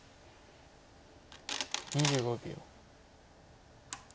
２５秒。